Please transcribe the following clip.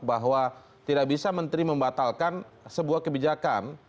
bahwa tidak bisa menteri membatalkan sebuah kebijakan